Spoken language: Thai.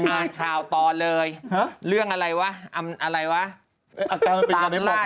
เงียบ